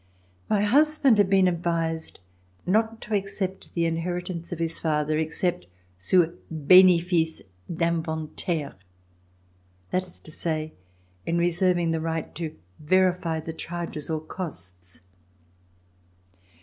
My husband had been advised not to accept the inheritance of his father except sous benefice d'inventaire, that is to say, in reserving the right to verif}^ the charges or costs.